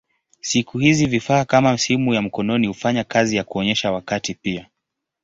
Siku hizi vifaa kama simu ya mkononi hufanya kazi ya kuonyesha wakati pia.